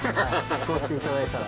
そうしていただいたら。